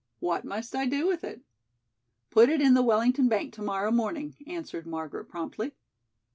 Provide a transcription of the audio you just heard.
What must I do with it?" "Put it in the Wellington Bank to morrow morning," answered Margaret promptly.